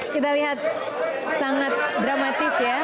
kita lihat sangat dramatis ya